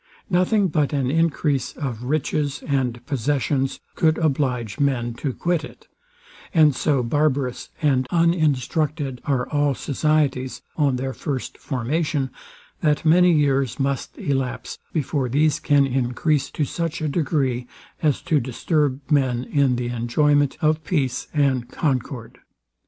Nothing but an encrease of riches and possessions could oblige men to quit it; and so barbarous and uninstructed are all societies on their first formation, that many years must elapse before these can encrease to such a degree, as to disturb men in the enjoyment of peace and concord.